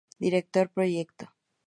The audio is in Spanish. Director Proyecto.